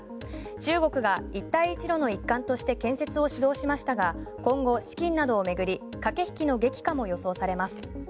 中国が一帯一路の一環として建設を主導しましたが今後、資金などを巡り駆け引きの激化も予想されます。